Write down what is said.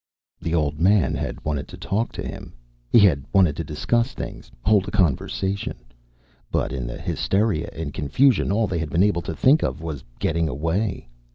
The Old Man had wanted to talk to him. He had wanted to discuss things, hold a conversation, but in the hysteria and confusion all they had been able to think of was getting away.